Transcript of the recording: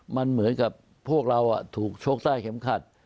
มันเหมือนกับพวกเราถูกชกใต้เข็มขัด